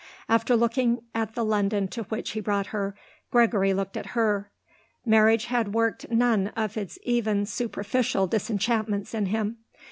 After looking at the London to which he brought her, Gregory looked at her. Marriage had worked none of its even superficial disenchantments in him.